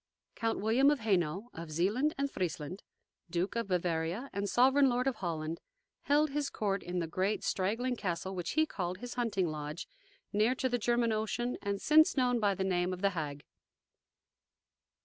Count William of Hainault, of Zealand and Friesland, Duke of Bavaria and Sovereign Lord of Holland, held his court in the great, straggling castle which he called his "hunting lodge," near to the German Ocean, and since known by the name of "The Hague."